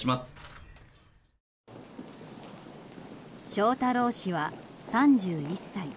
翔太郎氏は３１歳。